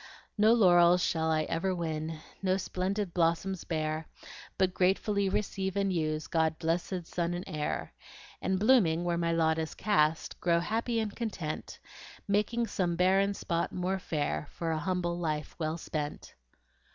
No laurels shall I ever win, No splendid blossoms bear, But gratefully receive and use God's blessed sun and air; And, blooming where my lot is cast, Grow happy and content, Making some barren spot more fair, For a humble life well spent.